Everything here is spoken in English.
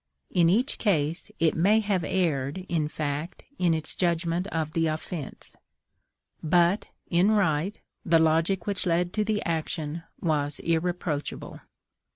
In each case, it may have erred, in fact, in its judgment of the offence; but, in right, the logic which led to its action was irreproachable.